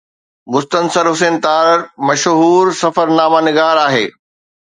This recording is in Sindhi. مستنصر حسين تارڙ مشهور سفرناما نگار آهي